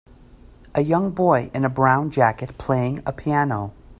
A young boy in a brown jacket playing a piano.